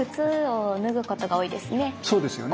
そうですよね。